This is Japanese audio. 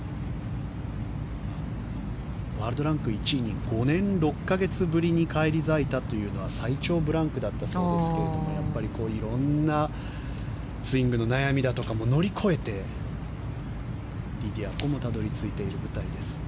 ワールドランク１位に５年６か月ぶりに返り咲いたというのは最長ブランクだったそうですがいろんなスイングの悩みだとかも乗り越えてリディア・コもたどり着いている舞台です。